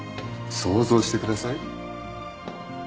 想像してください。